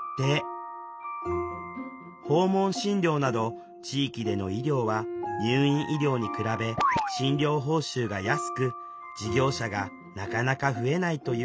訪問診療など地域での医療は入院医療に比べ診療報酬が安く事業者がなかなか増えないというのです。